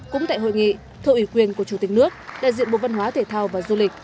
cũng tại hội nghị thợ ủy quyền của chủ tịch nước đại diện bộ văn hóa thể thao và du lịch